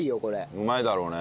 うまいだろうね。